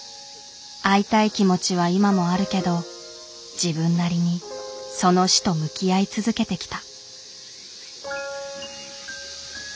会いたい気持ちは今もあるけど自分なりにその死と向き合い続けてきた。